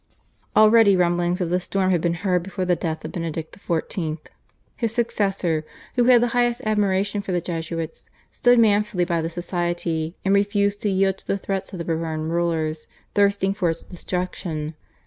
Already rumblings of the storm had been heard before the death of Benedict XIV. His successor, who had the highest admiration for the Jesuits, stood manfully by the Society, and refused to yield to the threats of the Bourbon rulers thirsting for its destruction.